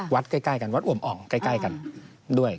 วัดเให้ใกล้กันวัดอ่อมอ่องใก่กันด้วย